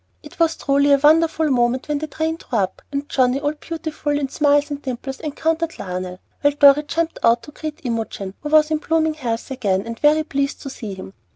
It was truly a wonderful moment when the train drew up, and Johnnie, all beautiful in smiles and dimples, encountered Lionel; while Dorry jumped out to greet Imogen, who was in blooming health again, and very pleased to see him.